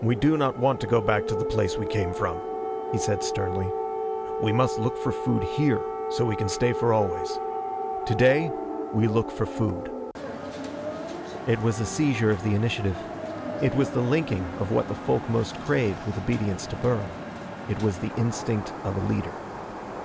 "We do not want to go back to the place we came from," he said sternly. "We must look for food here, so we can stay for always. Today we look for food." It was a seizure of the initiative. It was the linking of what the folk most craved with obedience to Burl. It was the instinct of a leader.